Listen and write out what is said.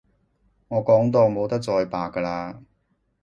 我講到冇得再白㗎喇